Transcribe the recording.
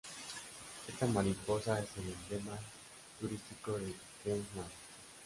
Esta mariposa es el emblema turístico de Queensland.